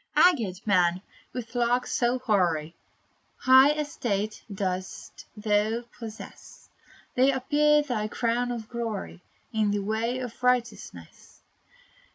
Aged man, with locks so hoary, High estate dost thou possess! They appear thy crown of glory, In the way of righteousness.